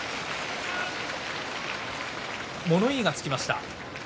物言いがつきました。